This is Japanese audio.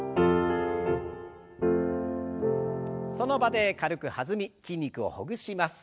その場で軽く弾み筋肉をほぐします。